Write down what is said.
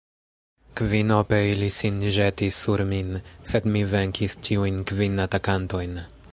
Kvinope ili sin ĵetis sur min, sed mi venkis ĉiujn kvin atakantojn.